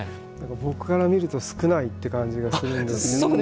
僕から見ると少ないって感じがするんですけれども。